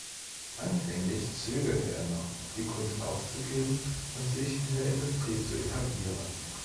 Anfänglich zögerte er noch, die Kunst aufzugeben und sich in der Industrie zu etablieren.